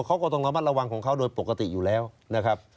เขาก็ต้องระมัดระวังของเขาโดยปกติอยู่แล้วนะครับ